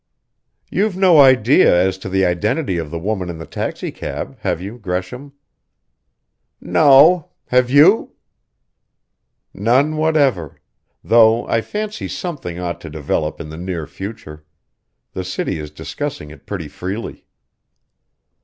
"You've no idea as to the identity of the woman in the taxicab, have you, Gresham?" "No. Have you?" "None whatever; though I fancy something ought to develop in the near future. The city is discussing it pretty freely?"